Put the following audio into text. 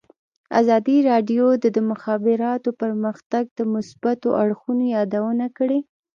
ازادي راډیو د د مخابراتو پرمختګ د مثبتو اړخونو یادونه کړې.